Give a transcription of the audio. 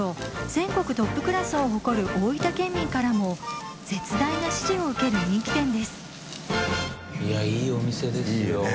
全国トップクラスを誇る大分県民からも絶大な支持を受ける人気店ですいいね。